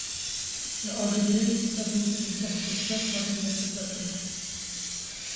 Li Agiriyê sed û sêzdeh koçber hatin desteserkirin.